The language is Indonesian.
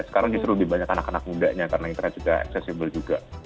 sekarang justru lebih banyak anak anak mudanya karena internet juga accessible juga